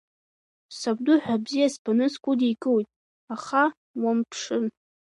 Сабду ҳәа бзиа сбаны сгәыдикылоит, аха уамԥшын!